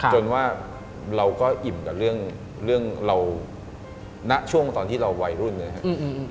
ว่าเราก็อิ่มกับเรื่องเราณช่วงตอนที่เราวัยรุ่นนะครับ